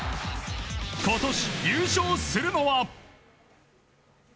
今年、優勝するのは。